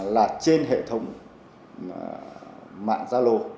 là trên hệ thống mạng gia lô